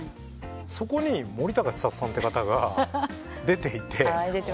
そこに森高千里さんって方が出ていて。